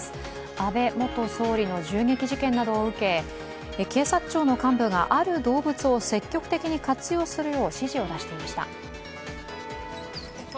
安倍元総理の銃撃事件などを受け、警察庁の幹部がある動物を積極的に活用するよう指示を出していました。